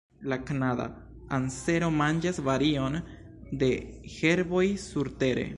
La Kanada ansero manĝas varion de herboj surtere.